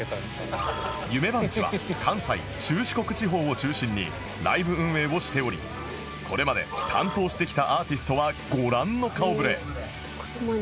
夢番地は関西・中四国地方を中心にライブ運営をしておりこれまで担当してきたアーティストはご覧の顔触れ